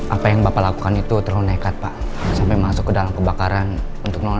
apa yang bapak lakukan itu terlalu nekat pak sampai masuk ke dalam kebakaran untuk